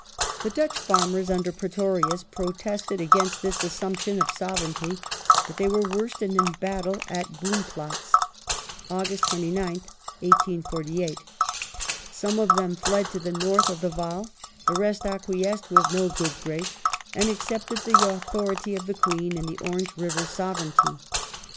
The Dutch farmers under Pretorius protested against this " assumption " of Sovereignty, but they were worsted in battle at BoompJatz (Aug. 29th, 1848). Some of them fled to the north of the Vaal, the rest acquiesced, with no good grace, and accepted the authority of the Queen in the " Orange River Sovereignty